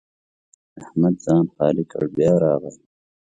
احمد ځان خالي کړ؛ بیا راغی.